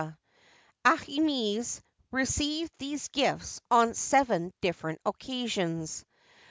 Aah mes received these gifts on seven different occasions.